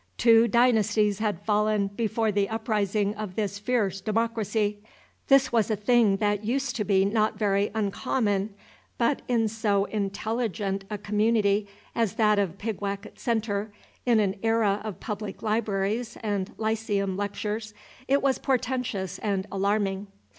Two dynasties had fallen before the uprising of this fierce democracy. This was a thing that used to be not very uncommon; but in so "intelligent" a community as that of Pigwacket Centre, in an era of public libraries and lyceum lectures, it was portentous and alarming.